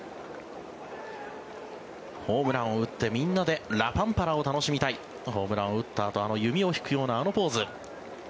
ホームランを打ってみんなでラパンパラを楽しみたいホームランを打ったあとあの弓を引くようなポーズ。